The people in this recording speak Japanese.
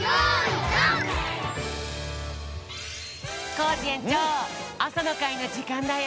コージえんちょうあさのかいのじかんだよ！